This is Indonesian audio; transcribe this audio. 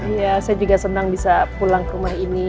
iya saya juga senang bisa pulang ke rumah ini